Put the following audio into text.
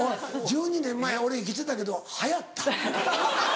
１２年前俺生きてたけど流行った？